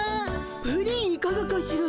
プリンいかがかしら？